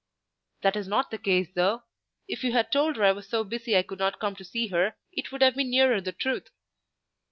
"That is not the case though; if you had told her I was so busy I could not come to see her, it would have been nearer the truth."